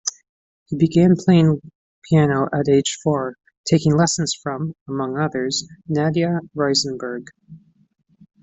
He began playing piano at age four, taking lessons from, among others, Nadia Reisenberg.